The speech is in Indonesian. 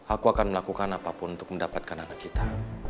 aku akan melakukan apapun untuk mendapatkan anak kita